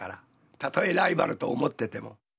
たとえライバルと思ってても。